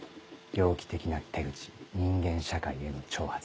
猟奇的な手口人間社会への挑発